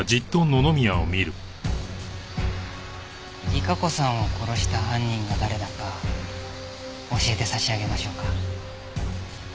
莉華子さんを殺した犯人が誰だか教えて差し上げましょうか。